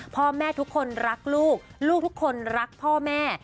พ่อแม่ทุกคนรักลูกลูกทุกคนรักพ่อแม่